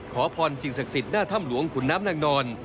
ขอพรสิ่งศักดิ์สิทธิ์หน้าถ้ำหลวงขุนน้ำนางนอน